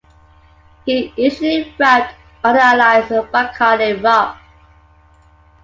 He initially rapped under the alias "Bacardi Rob".